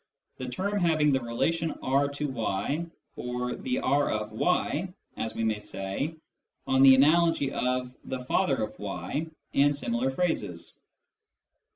the term having the relation R to y," or " the R of y " as we may say, on the analogy of " the father of y " and similar phrases.